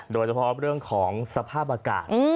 โดยเฉพาะเรื่องของสภาพอากาศ